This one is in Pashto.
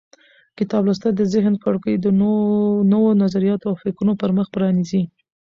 کتاب لوستل د ذهن کړکۍ د نوو نظریاتو او فکرونو پر مخ پرانیزي.